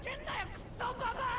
クソババア‼